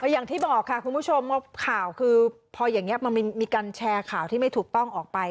อย่างที่บอกค่ะคุณผู้ชมข่าวคือพออย่างนี้มันมีการแชร์ข่าวที่ไม่ถูกต้องออกไป